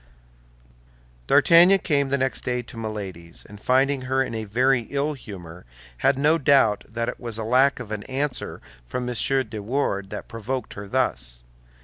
D'Artagnan came the next day to Milady's, and finding her in a very ill humor, had no doubt that it was lack of an answer from M. de Wardes that provoked her thus.